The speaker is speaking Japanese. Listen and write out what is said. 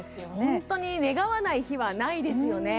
本当に願わない日はないですよね。